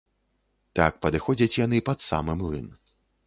Так падыходзяць яны пад самы млын.